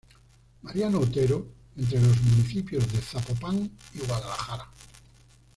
Mariano Otero, entre los municipios de Zapopan y Guadalajara.